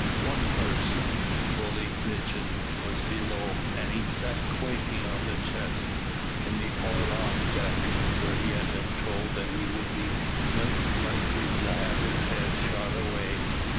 One person bully Pigeon was below, and he sat quaking on a chest in the orlop deck, where he had been told that he would be least likely to have his head shot away.